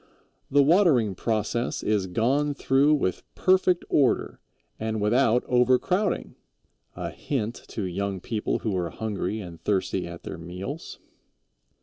"The watering process is gone through with perfect order and without overcrowding" a hint to young people who are hungry and thirsty at their meals.